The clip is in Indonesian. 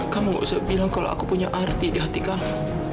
kamu bilang kalau aku punya arti di hati kamu